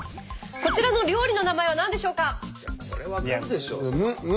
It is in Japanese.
こちらの料理の名前は何でしょうか？